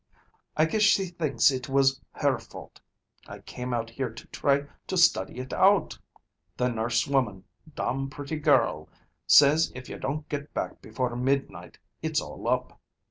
I guess she thinks it was her fault. I came out here to try to study it out. The nurse woman, domn pretty girl, says if you don't get back before midnight, it's all up.